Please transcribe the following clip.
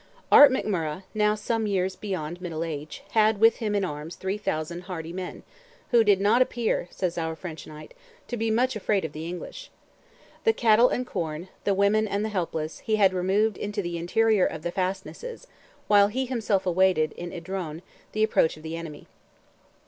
Art McMurrogh, now some years beyond middle age, had with him in arms "three thousand hardy men," "who did not appear," says our French knight, "to be much afraid of the English." The cattle and corn, the women and the helpless, he had removed into the interior of the fastnesses, while he himself awaited, in Idrone, the approach of the enemy.